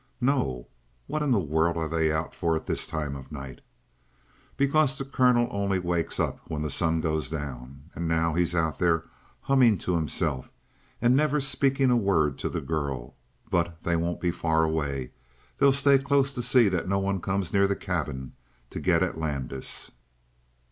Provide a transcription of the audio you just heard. "No. What in the world are they out for at this time of night?" "Because the colonel only wakes up when the sun goes down. And now he's out there humming to himself and never speaking a word to the girl. But they won't be far away. They'll stay close to see that no one comes near the cabin to get at Landis."